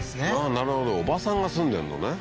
なるほど叔母さんが住んでんのね